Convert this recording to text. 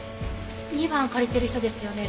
２番を借りてる人ですよね？